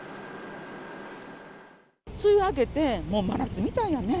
梅雨明けて、もう真夏みたいやね。